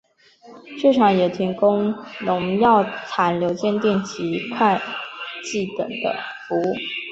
市场也提供农药残留检定及会计等的服务。